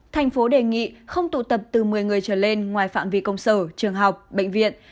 thành phố đề nghị không tụ tập từ một mươi người trở lên ngoài phạm vi công sở trường học bệnh viện